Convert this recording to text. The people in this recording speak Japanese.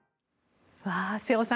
瀬尾さん